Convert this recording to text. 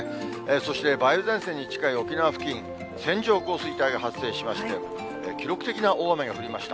そして、梅雨前線に近い沖縄付近、線状降水帯が発生しまして、記録的な大雨が降りました。